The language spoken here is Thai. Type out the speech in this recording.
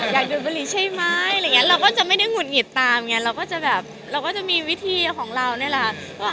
อยากดูบริใช่หมะเราก็จะไม่งุดหงีดตามเราก็จะแบบมีวิธีของเราเนี่ยแหละ